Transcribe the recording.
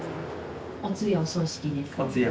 お通夜お葬式です。